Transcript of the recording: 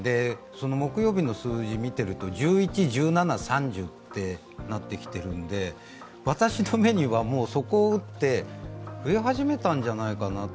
木曜日の数字を見ていると１１、１７、３０ってなってきてるんで私の目には、底を打って増え始めたんじゃないかなと。